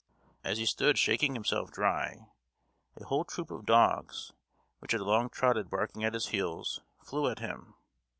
As he stood shaking himself dry, a whole troop of dogs, which had long trotted barking at his heels, flew at him.